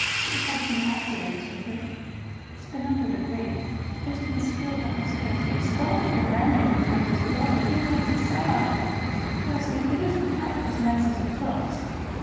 We had some accidents with it. It's been under the grate. It's been spilled on the stairs. It's scalded the landlady's youngest boy—he went and sat on it. Bless you, it isn't half as nice as it looks!